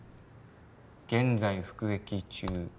「現在服役中」